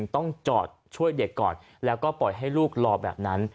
ต้องจอดช่วยเด็กก่อนแล้วก็ปล่อยให้ลูกรอแบบนั้น